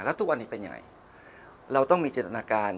แล้วทุกวันนี้เป็นยังไงเราต้องมีเจตนาการ